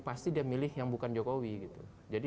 pasti dia milih yang bukan jokowi gitu